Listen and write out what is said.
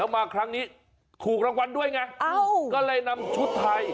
มันอยู่ในคล่องใหญ่มาก